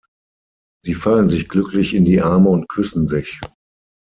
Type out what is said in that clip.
Sie fallen sich glücklich in die Arme und küssen sich.